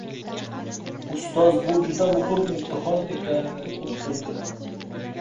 Ustoz bu juda muhim imtihon ekanini uqtirdi